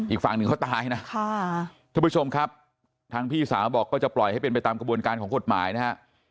อีกฝั่งหนึ่งเขาตายนะท่านผู้ชมครับทางพี่สาวบอกก็จะปล่อยให้เป็นไปตามกระบวนการของกฎหมายนะฮะ